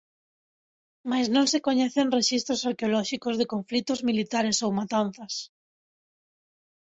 Mais non se coñecen rexistros arqueolóxicos de conflitos militares ou matanzas.